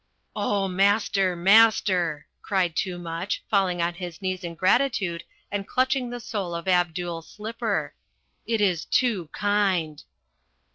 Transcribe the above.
"Oh, master, master," cried Toomuch, falling on his knees in gratitude and clutching the sole of Abdul's slipper. "It is too kind!"